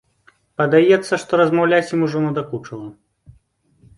Падаецца, што размаўляць ім ужо надакучыла.